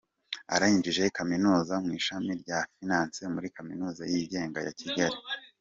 Arangije Kaminuza mu ishami rya Finance muri Kaminuza yigenga ya Kigali.